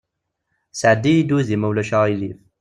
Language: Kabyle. Sɛeddi-yi-d udi, ma ulac aɣilif.